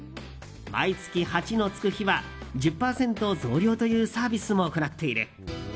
毎月８のつく日は１０％増量というサービスも行っている。